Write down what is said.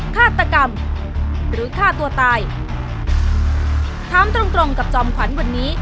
ฆาตกรรมหรือฆ่าตัวตายถามตรงตรงกับจอมขวัญวันนี้